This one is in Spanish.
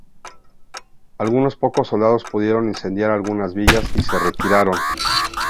Algunos pocos soldados pudieron incendiar algunas villas y se retiraron.